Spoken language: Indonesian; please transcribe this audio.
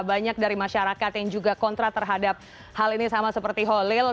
banyak dari masyarakat yang juga kontra terhadap hal ini sama seperti holil